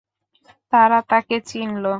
তারা তাকে চিনল।